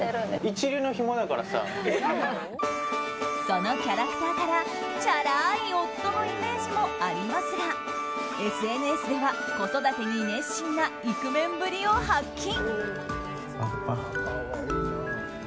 そのキャラクターからチャラい夫のイメージもありますがＳＮＳでは子育てに熱心なイクメンぶりを発揮。